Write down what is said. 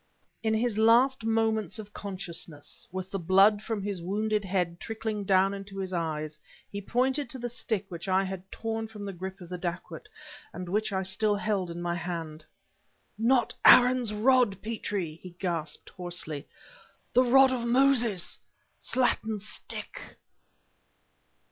In his last moments of consciousness, with the blood from his wounded head trickling down into his eyes, he pointed to the stick which I had torn from the grip of the dacoit, and which I still held in my hand. "Not Aaron's rod, Petrie!" he gasped hoarsely "the rod of Moses! Slattin's stick!"